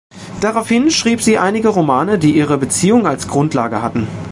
Daraufhin schrieb sie einige Romane, die ihre Beziehung als Grundlage hatten.